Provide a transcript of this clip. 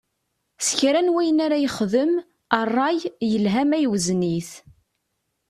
Si kra n wayen ara yexdem, ṛṛay, yelha ma iwzen-it.